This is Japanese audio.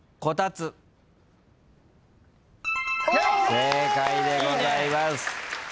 正解でございます。